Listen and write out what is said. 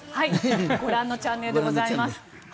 ご覧のチャンネルでございます。